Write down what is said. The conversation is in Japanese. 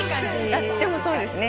あっでもそうですね